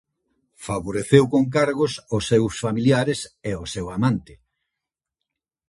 Favoreceu con cargos os seus familiares e o seu amante.